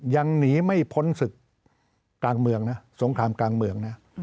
ยังหนีไม่พ้นศึกกลางเมืองนะสงครามกลางเมืองนะ